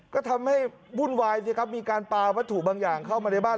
ก็ทำให้วุ่นวายสิครับมีการปลาวัตถุบางอย่างเข้ามาในบ้าน